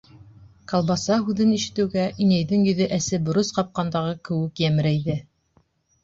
Колбаса һүҙен ишетеүгә, инәйҙең йөҙө әсе борос ҡапҡандағы кеүек йәмерәйҙе.